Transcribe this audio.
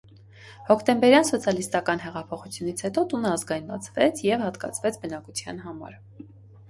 Հոկտեմբերյան սոցիալիստական հեղափոխությունից հետո տունը ազգայնացվեց և հատկացվեց բնակության համար։